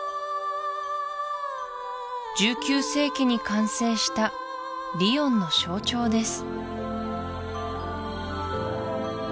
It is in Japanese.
１９世紀に完成したリヨンの象徴です